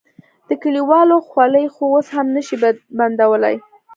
د کليوالو خولې خو اوس هم نه شې بندولی.